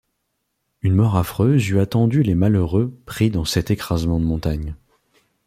Une mort affreuse eût attendu les malheureux pris dans cet écrasement de montagnes.